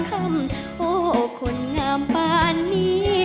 คำโอ้คนงามปานนี้